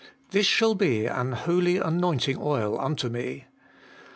' This shall be an holy anointing oil unto me.